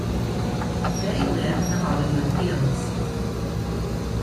They live in the Hollywood Hills.